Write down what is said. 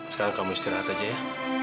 sekarang kamu istirahat aja ya